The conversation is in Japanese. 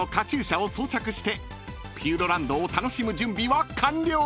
［ピューロランドを楽しむ準備は完了！］